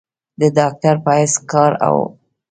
د ډاکټر پۀ حېث کار اوکړو ۔